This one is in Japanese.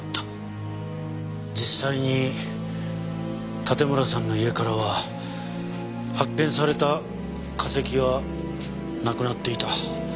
実際に盾村さんの家からは発見された化石がなくなっていた。